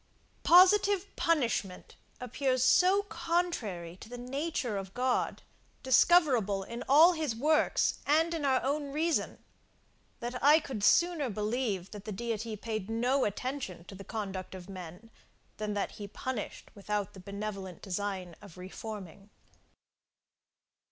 Positive punishment appears so contrary to the nature of God, discoverable in all his works, and in our own reason, that I could sooner believe that the Deity paid no attention to the conduct of men, than that he punished without the benevolent design of reforming.